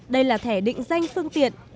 đây là thẻ định danh phương tiện